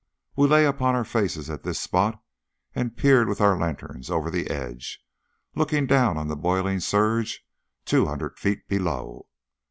We lay upon our faces at this spot, and peered with our lanterns over the edge, looking down on the boiling surge two hundred feet below.